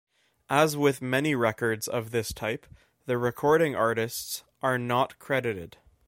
As with many records of this type, the recording artists are not credited.